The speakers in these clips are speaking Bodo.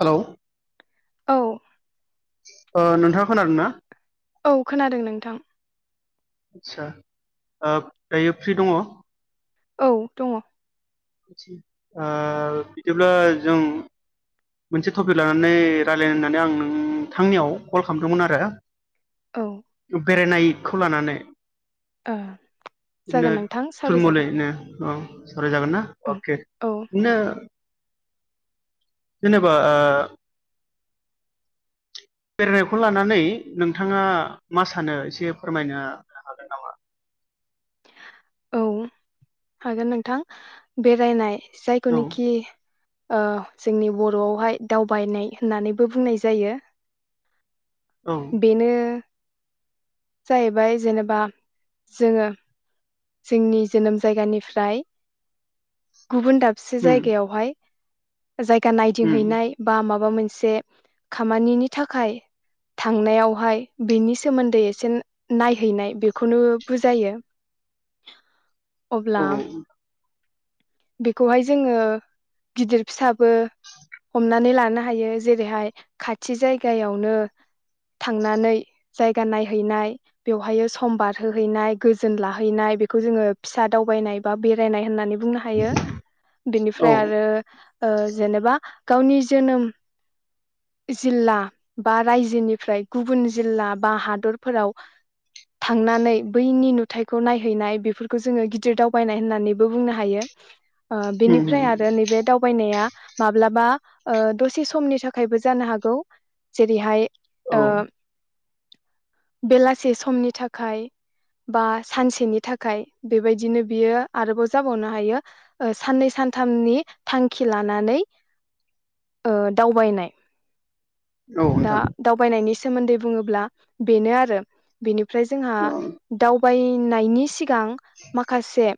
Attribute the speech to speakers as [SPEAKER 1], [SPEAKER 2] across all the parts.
[SPEAKER 1] हेल'
[SPEAKER 2] औ
[SPEAKER 1] ओ नोंथाङा खोनादोंना?
[SPEAKER 2] औ खोनादों नोंथां।
[SPEAKER 1] आदसा दायो फ्रि दङ?
[SPEAKER 2] औ दङ
[SPEAKER 1] ओ बिदिब्ला जों मोनसे टपिक लानानै रायलायनो होननानै आं नोंथांनियाव कल खालामदोंमोन आरो
[SPEAKER 2] औ
[SPEAKER 1] बेरायनायखौ लानानै बिदिनो
[SPEAKER 2] जागोन नोंथां सावरायजागोन
[SPEAKER 1] थुलमुलयैनो औ सावरायजागोन ना?
[SPEAKER 2] औ
[SPEAKER 1] अके
[SPEAKER 2] औ
[SPEAKER 1] बिदिनो जेनेबा ओ बेरायनायखौ लानानै नोंथाङा मा सानो एसे फोरमायनो हागोन नामा?
[SPEAKER 2] औ हागोन नोंथां बेरायनाय
[SPEAKER 1] औ
[SPEAKER 2] जायखौनोखि जोंनि बर'आवहाय दावबायनाय होननानैबो बुंनाय जायो
[SPEAKER 1] औ
[SPEAKER 2] बेनो जाहैबाय जेनेबा जोङो जोंनि जोनोम जायगानिफ्राय गुबुन दाबसे
[SPEAKER 1] उम
[SPEAKER 2] जायगायावहाय जायगा
[SPEAKER 1] उम
[SPEAKER 2] नायदिंहैनायहैनाय बा माबा माबा मोनसे खामानिनि थाखाय थांनायावहाय बिनि सोमोन्दै एसे नायहैनाय बेखौनो बुजायो
[SPEAKER 1] औ
[SPEAKER 2] अब्ला बेखौहाय जोङो गिदिर फिसा बो हमनानै ला हायो जेरैहाय खाथि जायगायावनो थांनानै जायगा नायहैनाय बेवहाय सम बारहोहैनाय गोजोन लाहैनाय बेखौ जोङो फिसा दावबायनाय बा बेरायनाय होननानै बुं हायो
[SPEAKER 1] औ
[SPEAKER 2] बिनिफ्राय आरो जेनेबा गावनि जोनोम जिल्ला बा रायजोनिफ्राय गुबुन जिल्ला बा हादरफोराव थांनानै बैनि नुथायखौ नायहैनाय बेफोरखौ जोङो गिदिर दावबायनाय होननानैबो बुंनो हायो ओ
[SPEAKER 1] उम
[SPEAKER 2] बिनिफ्राय
[SPEAKER 1] उम
[SPEAKER 2] आरो नैबे दावबायनाया माब्लाबा दसे समनि थाखायबो जानो हागौ जेरैहाय
[SPEAKER 1] औ
[SPEAKER 2] ओ बेलासे समनि थाखाय बा सानसेनि थाखाय बेबायदिनो बियो आरोबाव जाबावनो हायो साननै सानथामनि थांखि लानानै ओ दावबायनाय दा
[SPEAKER 1] नोंथां
[SPEAKER 2] दावबायनायनि सोमोन्दै बुङोब्ला बेनो आरो बेनि फ्राय जोंहा
[SPEAKER 1] औ
[SPEAKER 2] दाउ दावबायनायनि सि सिगां माखासे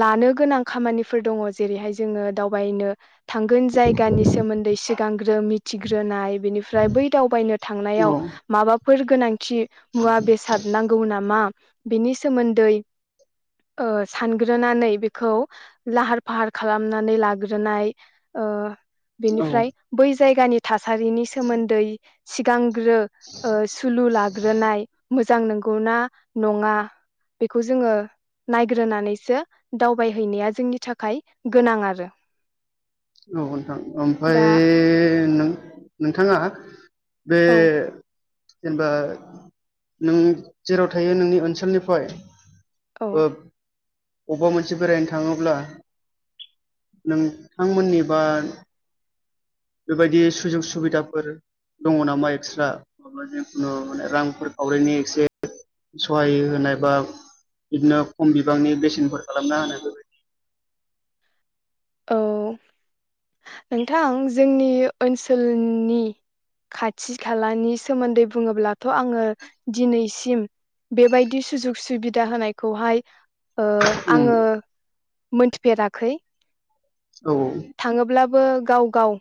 [SPEAKER 2] लानो गोनां खामानिफोर दङ जेरैहाय जोङो दावबायनो थांगोन जायगानि सोमोन्दै सिगांग्रो मिथिग्रोनाय बेनिफ्राय बै दावबायनो थांनायाव
[SPEAKER 1] औ
[SPEAKER 2] माबा फोर गोनां थि मुवा बेसाद नांगौ नामा बेनि सोमोन्दै ओ सानगोन ग्रोनानै बेखौ लाहार फाहार खालामनानै लाग्रोनाय
[SPEAKER 1] औ
[SPEAKER 2] बेनिफ्राय बै जायगानि थासारिनि सोमोन्दै सिगां सुलु लाग्रोनाय मोजां नंगौना नङा बेखौ जोङो नायग्रोनानैसो दावबायहैनाया जोंनि थाखाय गोनां आरो
[SPEAKER 1] औ नोथां ओमफ्राय
[SPEAKER 2] दा
[SPEAKER 1] नों नोंथाङा बे
[SPEAKER 2] औ
[SPEAKER 1] जेनेबा नों जेराव थायो नोंनि ओनसोलनिफाय
[SPEAKER 2] औ
[SPEAKER 1] ओ अबबा मोनसे बेरायनो थाङोब्ला नों थांमोननिबा बेबायदि सुजुग सुबिदाफोर दङ नामा? एक्सट्रा जिखुनु माने रांफोर खावरिनि एक्से सहाय होनाय बा बिदिनो खम बिबांनि बेसेनफोर खालामना होनाय बेबादि
[SPEAKER 2] औ नोंथां जोंनि ओनसोलनि खाथि खालानि सोमोन्दै बुङोब्लाथ' आङो दिनैसिम बेबायदि सुजुग सुबिदा होनायखौहाय ओ
[SPEAKER 1] उम
[SPEAKER 2] आङो मोनथिफेराखै।
[SPEAKER 1] औ औ।
[SPEAKER 2] बो गाव गाव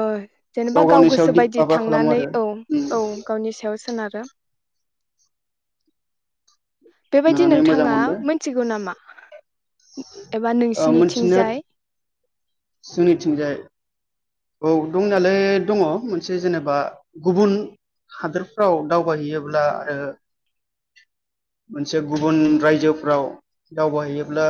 [SPEAKER 2] ओ जेनेबा गाव
[SPEAKER 1] गावनि सायाव
[SPEAKER 2] गोसो
[SPEAKER 1] दिप
[SPEAKER 2] बायदि
[SPEAKER 1] माबा खालामो
[SPEAKER 2] थांनानै
[SPEAKER 1] आरो
[SPEAKER 2] औ
[SPEAKER 1] उम
[SPEAKER 2] औ गावनि सायाव सोनारो। [unintelligible] बेबायदि
[SPEAKER 1] खोनानानै मोजां
[SPEAKER 2] नोंथाङा
[SPEAKER 1] मोनबाय
[SPEAKER 2] मिथिगौ नामा? एबा नोंसिनिथिंजाय
[SPEAKER 1] जोंनि थिंजाय औ दंनायालाय दङ मोनसे जेनेबा गुबुन हादोरफ्राव दावबायहैयोब्ला ओ मोनसे गुबुन रायजोफ्राव दावबायहैयोब्ला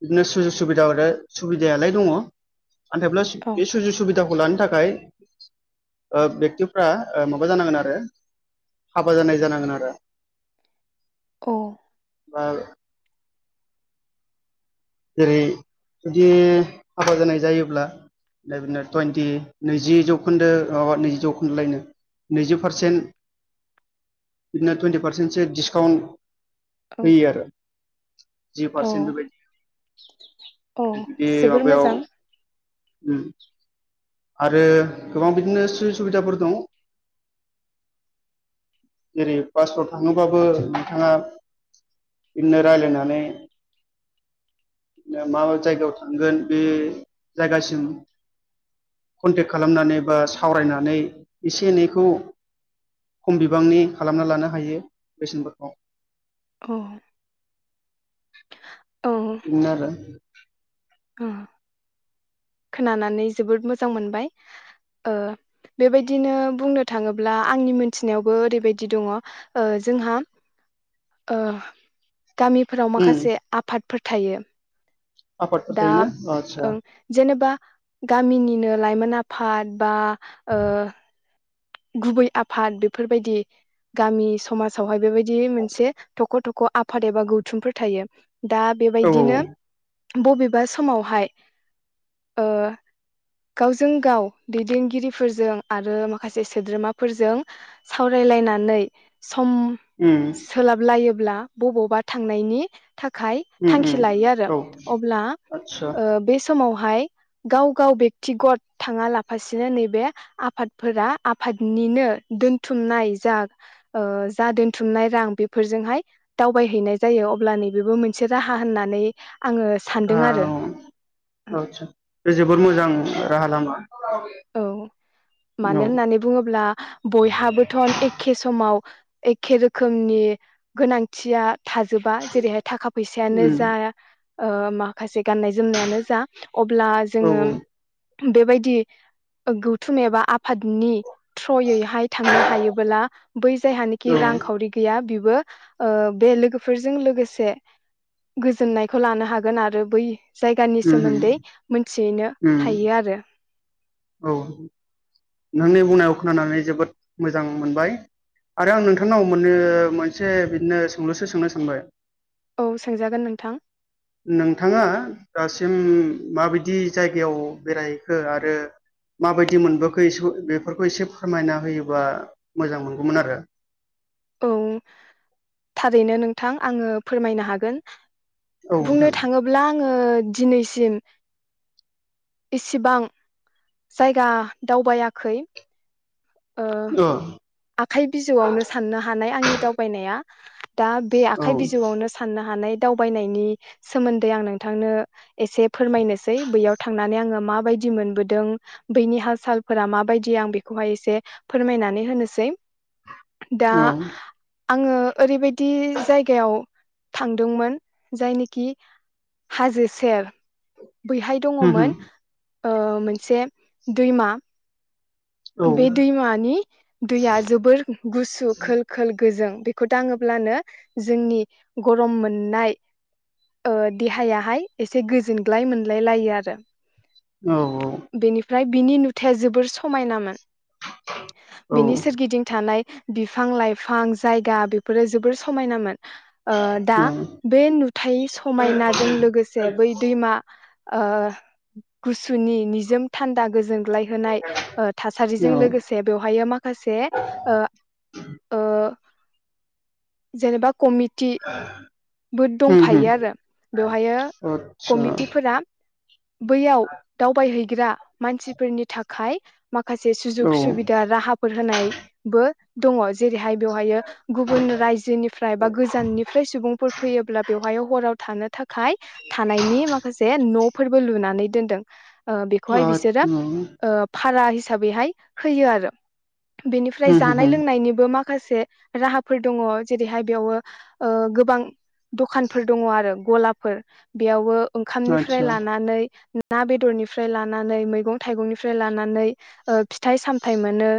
[SPEAKER 1] बिदिनो सुजुग सुबिदा [unintelligible] सुबिदायालाय दङ नाथायब्ला
[SPEAKER 2] औ
[SPEAKER 1] बे सुजग सुबिदाखौ खौ लानो थाखाय ओ बेक्तिफ्रा ओ माबा जानांगोन आरो हाबा जानाय जानांगोन आरो।
[SPEAKER 2] औ।
[SPEAKER 1] ओ जेरै जुदि हाबा जानाय जायोब्ला बिदिनो टुइन्टि नैजि जौखोन्दो माबा नैजि जौखोन्दो लायनो नैजि पारसेन्ट बिदिनो टुइन्टि पारसेन्टसो डिसकाउन्ट होयो आरो जि पारसेन्ट बेबायदि
[SPEAKER 2] अ
[SPEAKER 1] जुदि
[SPEAKER 2] जोबोर
[SPEAKER 1] माबायाव
[SPEAKER 2] मोजां।
[SPEAKER 1] उम। आरो गोबां बिदिनो सुब सुबिदाफोर दं जेरै बासफोराव थाङोबाबो नोंथाङा बिदिनो रायलायनानै मा जायगायाव थांगोन बे जायगासिम कन्टेक्ट खालामनानै बा सावरायनानै एसे एनैखौ खम बिबांनि खालामना लानो हायो बेसेनफोरखौ।
[SPEAKER 2] अ।
[SPEAKER 1] इनो आरो। [inaudible]
[SPEAKER 2] अ। खोनानानै जोबोद मोजां मोनबाय। ओ बेबायदिनो बुंनो थाङोब्ला आंनि मोनथिनायावबो ओरैबायदि दङ ओ जोंहा ओ। गामिफोराव
[SPEAKER 1] उम
[SPEAKER 2] माखासे आफाद फोथायो।
[SPEAKER 1] आफादफोर
[SPEAKER 2] दा
[SPEAKER 1] थायोना आदसा
[SPEAKER 2] ओं जेनेबा गामिनिनो लाइमोन आफाद बा ओ। गुबै आफाद बेफोरबायदि गामि समाजावहाय बेबायदि मोनसे थख' थख' आफाद एबा गौथुमफोर थायो। दा
[SPEAKER 1] औ
[SPEAKER 2] बेबायदिनो बबेबा समावहाय ओ गावजों गाव दैदेनगिरिफोरजों आरो मा खासे सोद्रोमाफोरजों सावरायलायनानै सम
[SPEAKER 1] उम
[SPEAKER 2] सोलाब लायो अब्ला बबावबा थांनायनि थाखाय
[SPEAKER 1] उम
[SPEAKER 2] थांखि
[SPEAKER 1] उम
[SPEAKER 2] लायो आरो
[SPEAKER 1] औ
[SPEAKER 2] अब्ला
[SPEAKER 1] आदसा
[SPEAKER 2] ओ बे समावहाय गाव गाव बेक्तिगत थाङा लाफासिनो नैबे आफाद फोरा‌ आफादनिनो दोनथुमनाय जा ओ‌ जा दोनथुमनाय रां बेफोरजोंहाय दावबायहैनाय जायो अब्ला नैबेबो मोनसे राहा होननानै आङो सानदों
[SPEAKER 1] औ
[SPEAKER 2] आरो
[SPEAKER 1] औ आतसा बे जोबोर मोजां राहा लामा।
[SPEAKER 2] औ मानो
[SPEAKER 1] औ
[SPEAKER 2] होननानै बुङोब्ला बयहाबोथ' एखे समाव एखे रोखोमनि गोनांथिया थाजोबा जेरैहाय थाखा फैसायानो
[SPEAKER 1] उम
[SPEAKER 2] जा ओ माखासे गाननाय जोमनायानो जा अब्ला
[SPEAKER 1] औ
[SPEAKER 2] जोङो
[SPEAKER 1] औ
[SPEAKER 2] बेबायदि गौथुम एबा आफादनि थ्रयैहाय थांनो हायोबोला बै
[SPEAKER 1] औ
[SPEAKER 2] जायहानिखि
[SPEAKER 1] उम
[SPEAKER 2] रांखावरि गैया बि बो ओ बे लोगोफोरजों लोगोसे गोजोननायखौ लानो हागोन आरो बै जायगानि
[SPEAKER 1] उम
[SPEAKER 2] सोमोन्दै मोन थियैनो
[SPEAKER 1] उम
[SPEAKER 2] हायो आरो।
[SPEAKER 1] औ। नोंनि बुंनायाव खोनानानै जोबोद मोजां मोनबाय आरो आं नोंथांनाव मोननो मोनसे बिदिनो सोंलुसो सोंनो सानबाय।
[SPEAKER 2] औ सोंजागोन नोंथां।
[SPEAKER 1] नोंथाङा दासिम माबायदि जायगायाव बेरायहैखो आरो माबायदि मोनबोखो इसे बेफोरखौ एसे फोरमायना होयोबा मोजां मोनगौमोन आरो।
[SPEAKER 2] औ थारैनो नोंथां आङो फोरमायनो हागोन।
[SPEAKER 1] औ नोंथां
[SPEAKER 2] बुंनो थाङोब्ला आङो दिनैसिम इसेबां जायगा दावबायाखै। ओ
[SPEAKER 1] औ
[SPEAKER 2] आखाइ बिजौआवनो साननो हानाय आंनि दावबायनाया। दा बे
[SPEAKER 1] औ
[SPEAKER 2] आखाइ बिजौआवनो साननो हानाय। दावबायनायनि सोमोन्दै आं नोंथांनो एसे फोरमायनोसै बैयाव थांनानै आङो मा बायदि मोनबो दों बैनि हाल सालफोरा माबायदि आं बेखौहाय एसे फोरमायनानै होनोसै। दा आङो ओरैबायदि जायगायाव थांदोंमोन जायनोखि हाजो सेर बैहाय
[SPEAKER 1] उम उम
[SPEAKER 2] दङमोन ओ मोनसे दैमा
[SPEAKER 1] औ
[SPEAKER 2] बे दैमानि दैया जोबोर गुसु खोल खोल गोजों। बेखौ दाङोब्लानो जोंनि गरम मोननाय ओ देहायाहाय एसे गोजोनग्लाय मोनलाय लायो आरो।
[SPEAKER 1] औ औ
[SPEAKER 2] फ्राय बिनि नुथाया जोबोर समायनामोन। बिनि
[SPEAKER 1] औ
[SPEAKER 2] सोरगिदिं थानाय बिफां लाइफां जायगा बे फोर जोबोर समायनोन ओ दा
[SPEAKER 1] औ
[SPEAKER 2] बे नुथाय समायनाजों लोगोसे बै दैमा ओ गुसुनि निजोम थान्दा गोजोन लायहोनाय ओ थासारिजों
[SPEAKER 1] औ
[SPEAKER 2] लोगोसे बेवहायो माखासे ओ ओ जेनेबा कमिटि बो
[SPEAKER 1] औ
[SPEAKER 2] दंफायो आरो बेवहायो
[SPEAKER 1] आदसा
[SPEAKER 2] कमिटिफोरा बैयाव दावबायहै ग्रा मानसिफोरनि थाखाय माखासे सुजुग सुबिदा राहाफोर होनाय बो दङ जेरैहाय बेवहायो गुबुन रायजोनिफ्राय बा गोजाननिफ्राय सुबुंफोर अब्ला बेवहायो हराव थानो थाख खाय थानायनि माखासे न' फोरबो लुनानै दोनदों। ओ बेखौहाय बिसोरो
[SPEAKER 1] औ आ
[SPEAKER 2] ओ फारा हि हिसाबैहाय होयो आरो। बेनिफ्राय
[SPEAKER 1] उम होम
[SPEAKER 2] जानाय
[SPEAKER 1] होम
[SPEAKER 2] लोंनायनिबो माख माखासे राहाफोर दङ जेरैहाय बेयावो ओ गोबां दखानफोर दङ आरो गलाफोर बेयावबो ओंखामनिफ्राय
[SPEAKER 1] आदसा
[SPEAKER 2] लानानै ना बेदरनिफ्राय लानानै मैगं थाइगंनिफ्राय लानानै ओ फिथाइ सामथाय मोनो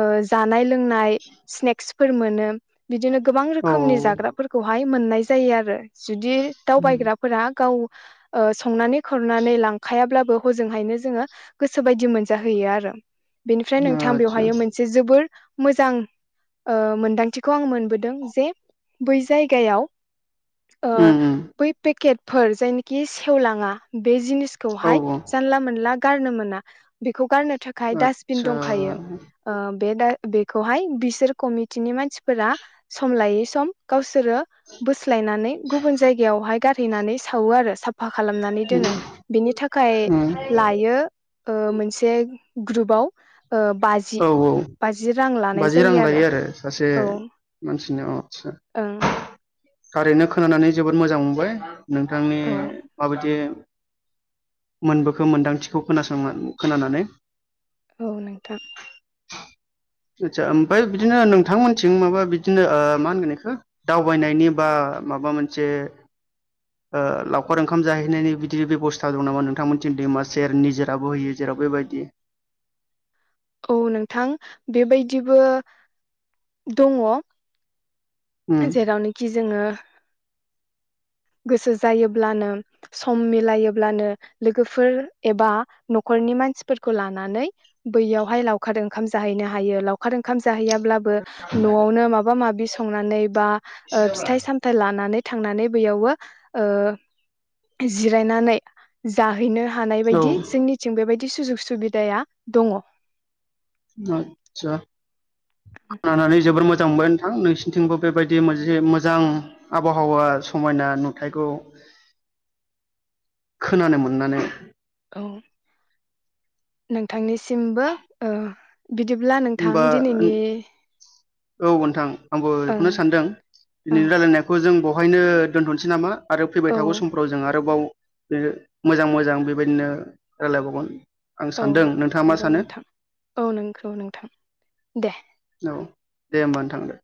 [SPEAKER 2] ओ जानाय लोंनाय स्नेक्स फोर मोनो बिदिनो गोबां
[SPEAKER 1] औ
[SPEAKER 2] रोखोमनि जाग्राफोरखौहाय मोननाय जायो आरो जुदि दावबायग्राफोरा गाव- ओ संनानै खुरनानै लांखायाब्लाबो हजोंहायनो जोङो गोसो बायदि मोनजाहैयो आरो बेनिफ्राय नोंथां
[SPEAKER 1] आदसा
[SPEAKER 2] बेवहायो मोनसे जोबोर मोजां ओ मोनदांथिखौ आं मोनबोदों जे बै जायगायाव अ
[SPEAKER 1] उम उम
[SPEAKER 2] बै पेकेट फोर जायनिखि सेवलाङा बे जिनिस खौ
[SPEAKER 1] औ
[SPEAKER 2] हाय जानला मोनला गारनो मोना बेखौ गारनो थाखाय दास्बिन
[SPEAKER 1] आदसा
[SPEAKER 2] दंखायो ओ बे दा बेखौहाय बिसोर कमिटिनि मानसिफोरा सम लायै सम गावसोरो बोस लायनानै गुबन जायगायावहाय गारहैनानै सावो आरो साब फा खालामनानै दोनो बिनि थाखाय
[SPEAKER 1] उम
[SPEAKER 2] लायो ओ मोनसे ग्रुपाव ओ बाजि
[SPEAKER 1] औ औ
[SPEAKER 2] बाजि रां लानाय
[SPEAKER 1] बाजि रां
[SPEAKER 2] जायो
[SPEAKER 1] लायो आरो सासे
[SPEAKER 2] औ
[SPEAKER 1] मानसिनि आव आस्सा
[SPEAKER 2] ओं
[SPEAKER 1] थारैनो खोनानानै जोबोद मोजां मोनबाय नोंथांनि
[SPEAKER 2] औ
[SPEAKER 1] माबायदि मोनबोखो मोनदांथिखौ खोनासं खोनानानै
[SPEAKER 2] औ नों थां
[SPEAKER 1] आतसा ओमफ्राय बिदिनो नोंथांमोनथिं माबा बिदिनो आ माहोनगोन इखो दावबायनायनि बा माबा मोनसे ओ लावखार ओंखाम जाहैनायनि बिदि बेबस्था दं नामा नोंथांमोनथिं दैमा सेर निजोरा बोहोयो जेराव बेबायदि ।
[SPEAKER 2] औ नोंथां बेबायदिबो दङ
[SPEAKER 1] उम
[SPEAKER 2] । जेरावनिखि जोङो गोसो जायोब्लानो सम मिलायोब्लानो लोगोफोर एबा न'खरनि मानसिफोरखौ लानानै बैयावहाय लावखार ओंखाम जाहैनो हायो लावखार ओंखाम जाहैयाब्लाबो नवावनो माबा माबि संनानै बा ओ फिथाय सामथाय लांनानै थांनानै बैयावबो ओ जिरायनानै जाहैनो हानाय
[SPEAKER 1] औ
[SPEAKER 2] बायदि जोंनिथिं बेबायदि बि सुजुग सुबिदाया दङ
[SPEAKER 1] आतसा खोनानानै जोबोर मोजां मोजां मोनबाय नोंथां नोंसिनिथिंबो बेबायदि मोनसे मोजां आबहावा समायना नुथायखौ खोनानो मोननानै
[SPEAKER 2] औ नोंथांनिसिमबो ओ बिदिब्ला नोंथां
[SPEAKER 1] होमबा
[SPEAKER 2] दिनैनि
[SPEAKER 1] औ नोंथां आंबो
[SPEAKER 2] ओं
[SPEAKER 1] बेखौनो सानदों
[SPEAKER 2] ओं
[SPEAKER 1] दिनैनि रायजलायनायखौ जों बर बेवहायनो दोनथ'नोसै नामा आरो फैबाय
[SPEAKER 2] औ
[SPEAKER 1] थागौ समफ्राव जों आरोबाव बे मोजां मोजां बेबायदिनो रायलायबावगोन आं
[SPEAKER 2] औ
[SPEAKER 1] सानदों नोंथाङा मा
[SPEAKER 2] नंगौ
[SPEAKER 1] सानो
[SPEAKER 2] नोंथां औ नंगौ नोंथां दे
[SPEAKER 1] औ दे होमबा नोंथां दे